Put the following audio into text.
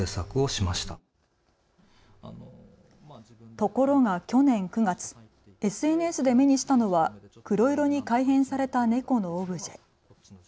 ところが去年９月、ＳＮＳで目にしたのは黒色に改変された猫のオブジェ。